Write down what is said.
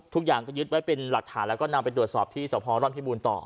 ทุกอย่างก็ยึดไว้เป็นหลักฐานแล้วก็นำไปตรวจสอบที่สพร่อนพิบูรณ์ต่อ